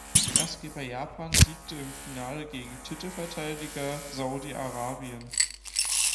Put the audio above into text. Gastgeber Japan siegte im Finale gegen Titelverteidiger Saudi-Arabien.